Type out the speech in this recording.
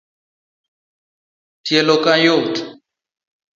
Tielo kayot